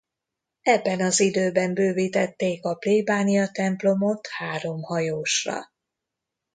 Ebben az időben bővítették a plébániatemplomot három hajósra.